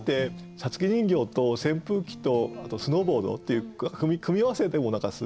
「五月人形」と「扇風機」と「スノーボード」っていう組み合わせでもすごく何か。